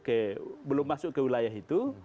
ke belum masuk ke wilayah itu